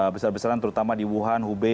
besar besaran terutama di wuhan hubei